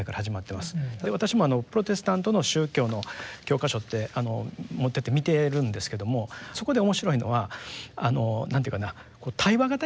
私もプロテスタントの宗教の教科書って持ってて見てるんですけどもそこで面白いのは何て言うかな対話型になってるんです。